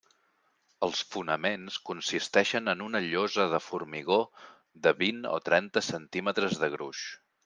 Els fonaments consisteixen en una llosa de formigó de vint o trenta centímetres de gruix.